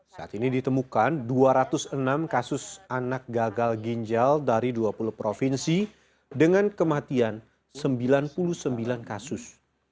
saat ini ditemukan dua ratus enam kasus anak gagal ginjal dari dua puluh provinsi dengan kematian sembilan puluh sembilan kasus